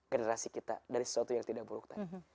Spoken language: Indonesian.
generasi kita dari suatu yang tidak buruk